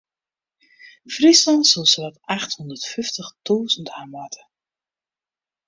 Fryslân soe sawat acht hûndert fyftich tûzen hawwe moatte.